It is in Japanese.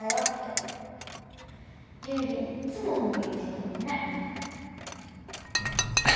って友利いっつも文句言ってたもんねえっ？